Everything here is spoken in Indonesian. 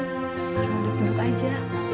cuma duduk duduk aja